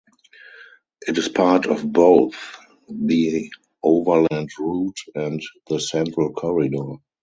It is part of both the Overland Route and the Central Corridor.